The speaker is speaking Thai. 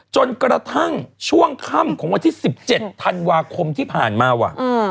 จนกระทั่งช่วงค่ำของวันที่๑๗ธันวาคมที่ผ่านมาว่ะ